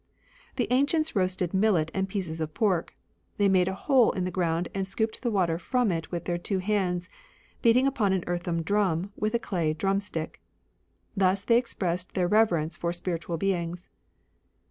The ancients roasted millet and pieces of pork ; they made a hole in the ground and scooped the water from it with their two hands, beating upon an earthen drum with a clay drumstick. Thus they expressed their reverence for spiritual beings.